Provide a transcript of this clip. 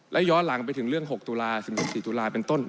และย้อนหลังไปถึงเรื่อง๖ตุลา๑๑๔ตุลาเป็นต้น